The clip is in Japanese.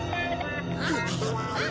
あっ？